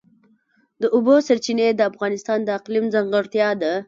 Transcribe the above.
د اوبو سرچینې د افغانستان د اقلیم ځانګړتیا ده.